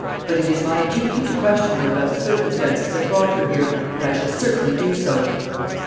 "But it is my duty to question her about the circumstances that brought her here; and I shall certainly do so."